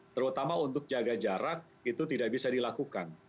terutama untuk jaga jarak itu tidak bisa dilakukan